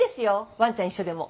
ワンちゃん一緒でも。